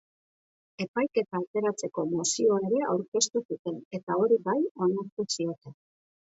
Epaiketa atzeratzeko mozioa ere aurkeztu zuten, eta hori bai onartu zioten.